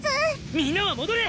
みんなは戻れ！